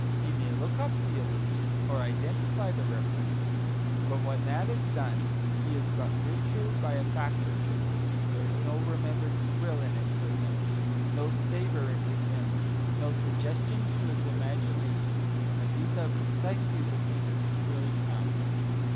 He may look up the allusion, or identify the reference, but when that is done he is but richer by a fact or two; there is no remembered thrill in it for him, no savour in his memory, no suggestion to his imagination; and these are precisely the things which really count.